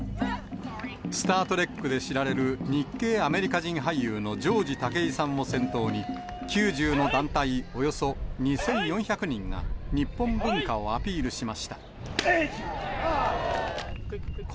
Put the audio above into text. スター・トレックで知られる日系アメリカ人俳優のジョージ・タケイさんを先頭に、９０の団体、およそ２４００人が日本文化をアピールしました。